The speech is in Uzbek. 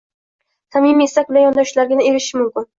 Samimiy istak bilan yondoshsalargina erishish mumkin.